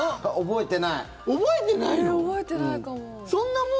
覚えてないかも。